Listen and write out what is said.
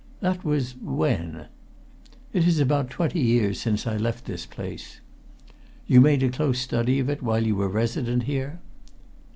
"That was when?" "It is about twenty years since I left this place." "You made a close study of it while you were resident here?"